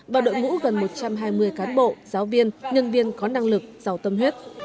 và đội ngũ gần một trăm hai mươi cán bộ giáo viên nhân viên có năng lực giàu tâm huyết